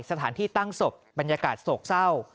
สถานที่ตั้งศพบรรยากาศโศกเศร้า